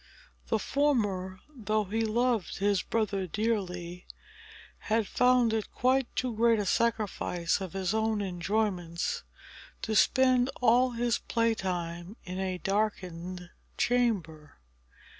The former, though he loved his brother dearly, had found it quite too great a sacrifice of his own enjoyments, to spend all his playtime in a darkened chamber.